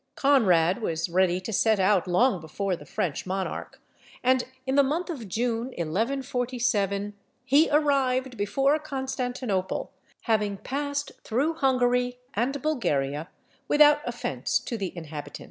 Conrad was ready to set out long before the French monarch, and in the month of June 1147, he arrived before Constantinople, having passed through Hungary and Bulgaria without offence to the inhabitants.